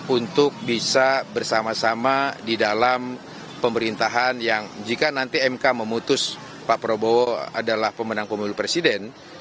untuk bisa bersama sama di dalam pemerintahan yang jika nanti mk memutus pak prabowo adalah pemenang pemilu presiden